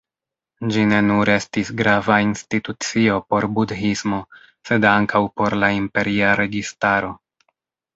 Ĝi ne nur estis grava institucio por budhismo, sed ankaŭ por la imperia registaro.